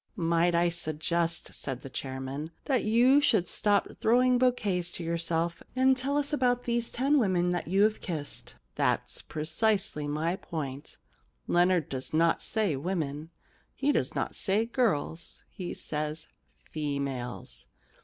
* Might I suggest,' said the chairman, * that you should stop throwing bouquets to yourself, and tell us about these ten women that you've kissed ?'* That is precisely my point. Leonard does not say women. He does not say girls. He says females.